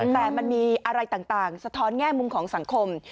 แต่มันมีอะไรต่างสะท้อนแง่มุมของสังคม